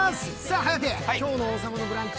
颯、今日の「王様のブランチ」